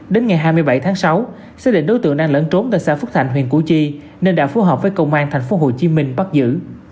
đến ngày hai mươi bảy tháng sáu xác định đối tượng đang lẫn trốn tại xã phúc thành huyện củ chi nên đã phối hợp với công an tp hcm bắt giữ